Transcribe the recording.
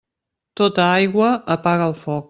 Tota aigua apaga el foc.